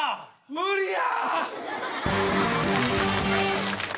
無理や！